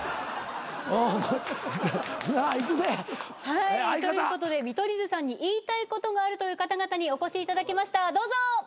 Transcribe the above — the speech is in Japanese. はいということで見取り図さんに言いたいことがあるという方々にお越しいただきましたどうぞ！